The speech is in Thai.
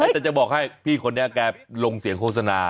แต่จะบอกให้พี่คนนี้แกลงเสียงโฆษณา